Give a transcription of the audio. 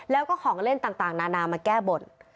แล้วก็ของเล่นต่างนานามาแก้บน